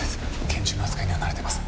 拳銃の扱いには慣れています。